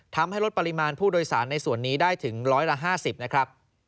ทำให้ลดปริมาณผู้โดยสารในส่วนนี้ได้ถึงร้อยละ๕๐นะครับ